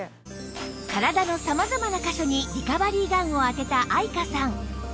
体の様々な箇所にリカバリーガンを当てた愛華さん